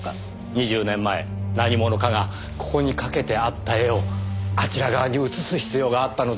２０年前何者かがここに掛けてあった絵をあちら側に移す必要があったのでしょうねぇ。